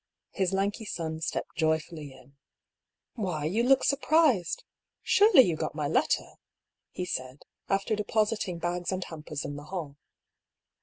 His lanky son stepped joyfully in. " Why, you look surprised ! Surely you got my letter ?" he said, after depositing bags and hampers in the hall.